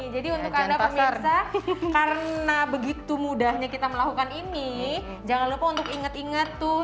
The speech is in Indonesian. jadi untuk ada pemirsa karena begitu mudahnya kita melakukan ini jangan lupa untuk inget inget tuh